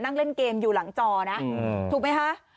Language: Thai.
นั่งเล่นเกมอยู่หลังจอนะ